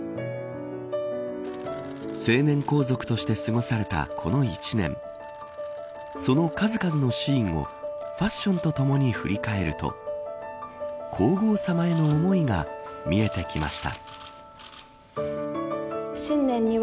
成年皇族として過ごされたこの一年その数々のシーンをファッションとともに振り返ると皇后さまへの思いが見えてきました。